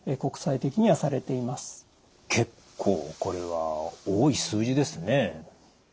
結構これは多い数字ですね。